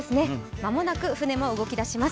間もなく船も動き出します。